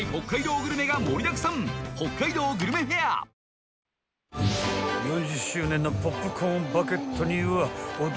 「トリスハイボール」［４０周年のポップコーンバケットには］